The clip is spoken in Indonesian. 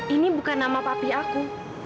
ini bukan nama papi aku